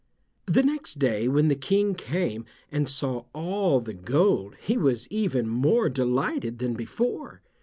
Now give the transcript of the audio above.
The next day, when the King came and saw all the gold he was even more delighted than before.